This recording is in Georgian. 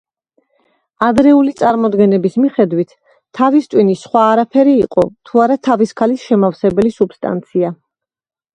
ადრეული წარმოდგენების მიხედვით, თავის ტვინი სხვა არაფერი იყო, თუ არა თავის ქალის შემავსებელი სუბსტანცია.